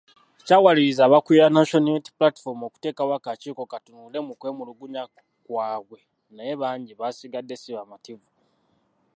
Kyawaliriza abakulira National Unity Platform okuteekawo akakiiko katunule mu kwemulugunya kwabwe naye bangi basigadde si bamativu.